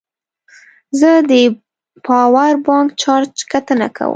زه د پاور بانک چارج کتنه کوم.